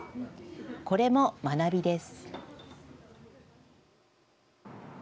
これも学びです。